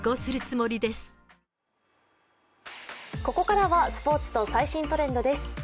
ここからはスポーツと最新トレンドです。